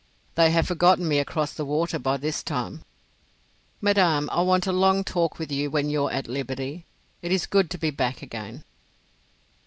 They have forgotten me across the water by this time. Madame, I want a long talk with you when you're at liberty. It is good to be back again."